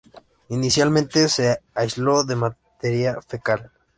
Inicialmente se aisló de materia fecal.